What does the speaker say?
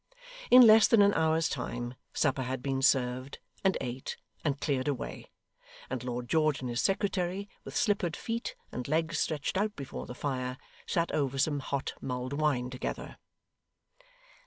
In less than an hour's time, supper had been served, and ate, and cleared away; and Lord George and his secretary, with slippered feet, and legs stretched out before the fire, sat over some hot mulled wine together.